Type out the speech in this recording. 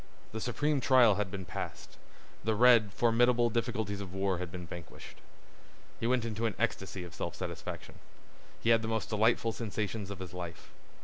The supreme trial had been passed. The red, formidable difficulties of war had been vanquished. He went into an ecstasy of self satisfaction. He had the most delightful sensations of his life.